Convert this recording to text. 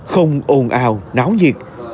không ồn ào náo nhiệt